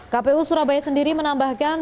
kpu surabaya sendiri menambahkan